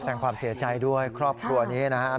แสดงความเสียใจด้วยครอบครัวนี้นะครับ